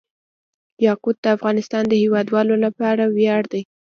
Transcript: یاقوت د افغانستان د هیوادوالو لپاره ویاړ دی.